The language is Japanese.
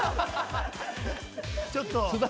◆ちょっと。